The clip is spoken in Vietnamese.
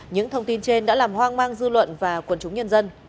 những thông tin trên đã làm hoang mang dư luận và quần chúng nhân dân